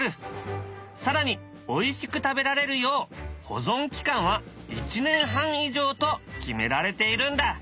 更においしく食べられるよう保存期間は１年半以上と決められているんだ。